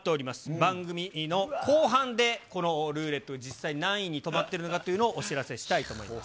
番組の後半で、このルーレット、実際に何位に止まってるのかというのをお知らせしたいと思います。